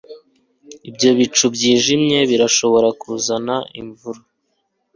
Ibyo bicu byijimye birashoboka kuzana imvura